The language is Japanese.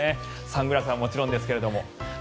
サングラスはもちろんですけども。